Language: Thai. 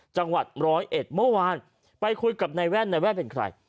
จังหวัดร้อยเอ็ดเมื่อวานไปคุยกับนายแว่นนายแว่นเป็นใคร